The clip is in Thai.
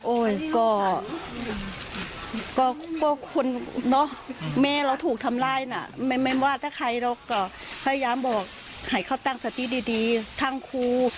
ก็คนเนาะแม่เราถูกทำร้ายน่ะไม่ว่าถ้าใครเราก็พยายามบอกให้เขาตั้งสติดีทั้งครู